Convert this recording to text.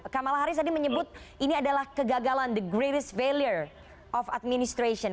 kamala harris tadi menyebut ini adalah kegagalan the greatest failure of administration